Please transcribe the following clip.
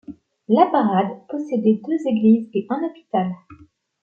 Laparade possédait deux églises et un hôpital.